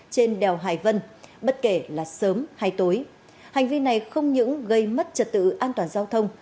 trên đèo hải vân bất kể là sớm hay tối hành vi này không những gây mất trật tự an toàn giao thông